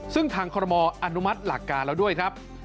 ซึ่งทางคอรมออนุมัติหลักการแล้วด้วยครับ